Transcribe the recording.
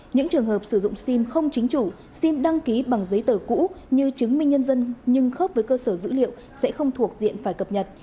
những trường hợp sử dụng sim không chính chủ sim đăng ký bằng giấy tờ cũ như chứng minh nhân dân nhưng khớp với cơ sở dữ liệu sẽ không thuộc diện phải cập nhật